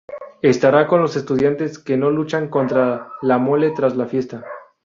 Estará con los estudiantes que no luchan contra La Mole tras la fiesta.